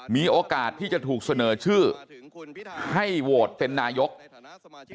มีโอกาสที่จะถูกเสนอชื่อให้โหวตเป็นนายก